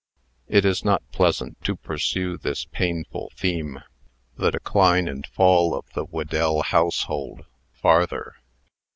It is not pleasant to pursue this painful theme the decline and fall of the Whedell household farther.